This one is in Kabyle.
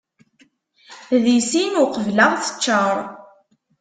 Di sin uqbel ad ɣ-teččar.